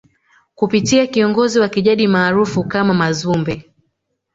kupitia kiongozi wa kijadi maarufu kama Mazumbe